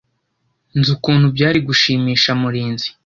Nzi ukuntu byari gushimisha Murinzi .